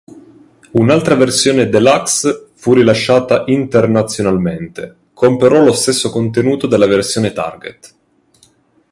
Un’altra versione deluxe fu rilasciata internazionalmente, con però lo stesso contenuto della versione Target.